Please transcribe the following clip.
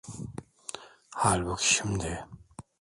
Halbuki şimdi…